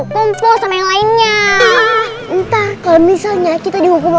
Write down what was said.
kalau misalnya kita dihukum